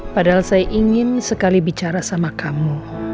padahal saya ingin sekali bicara sama kamu